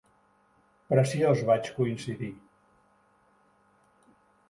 "Preciós", vaig coincidir.